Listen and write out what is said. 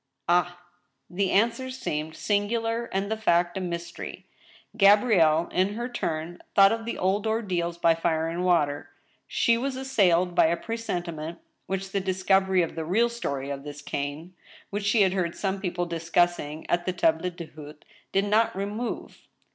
"Ah!" The answer seemed singular and the fact a mystery. Gabrielle, in her turn, thought of the old ordeals by fire and water. She was assailed by a presentiment which the discovery of the real story of this cane, which she heard some people discussing at the table d' hdte, did not remove.